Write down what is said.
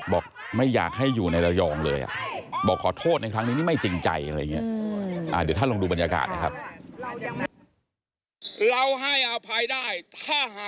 บอกไม่อยากให้อยู่ในระยองเลยบอกขอโทษในครั้งนี้นี่ไม่จริงใจอะไรอย่างนี้